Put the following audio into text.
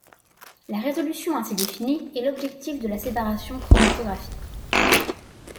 La résolution ainsi définie est l'objectif de la séparation chromatographique.